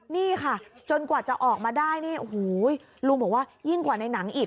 นี่ค่ะจนกว่าจะออกมาได้นี่โอ้โหลุงบอกว่ายิ่งกว่าในหนังอีก